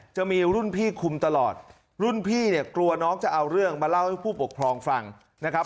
จะมีรุ่นพี่คุมตลอดรุ่นพี่เนี่ยกลัวน้องจะเอาเรื่องมาเล่าให้ผู้ปกครองฟังนะครับ